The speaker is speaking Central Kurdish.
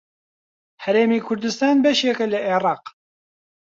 هەرێمی کوردستان بەشێکە لە عێراق.